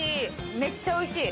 めっちゃおいしい。